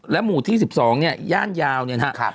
หมู่ที่๑๒เนี่ยย่านยาวเนี่ยนะครับ